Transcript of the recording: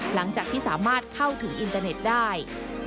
หลังจากที่สามารถเข้าถึงอินเตอร์เน็ตได้